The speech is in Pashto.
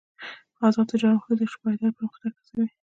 آزاد تجارت مهم دی ځکه چې پایداره پرمختګ هڅوي.